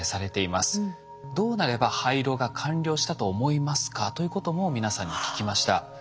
どうなれば廃炉が完了したと思いますかということも皆さんに聞きました。